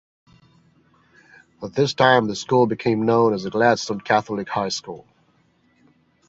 At this time the school became known as the Gladstone Catholic High School.